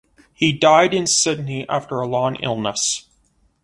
He died in Sydney after a long illness.